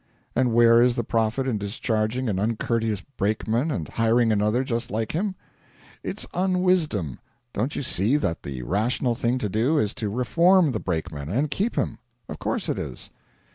And where is the profit in discharging an uncourteous brakeman and hiring another just like him? It's unwisdom. Don't you see that the rational thing to do is to reform the brakeman and keep him? Of course it is.'